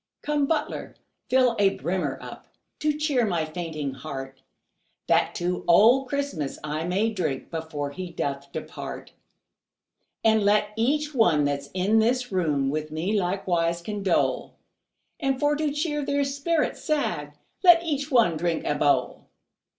Come, butler, fill a brimmer up To cheer my fainting heart, That to old Christmas I may drink Before he doth depart; And let each one that's in this room With me likewise condole, And for to cheer their spirits sad Let each one drink a bowl.